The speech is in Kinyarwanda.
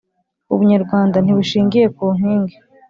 Ubunyarwanda ntibushingiye ku nkingi